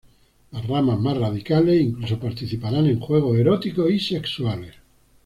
Las ramas más radicales incluso participaban en juegos eróticos y sexuales.